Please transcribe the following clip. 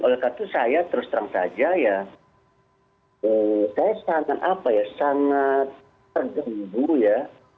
oleh karena itu saya terus terang saja ya saya sangat apa ya sangat terganggu ya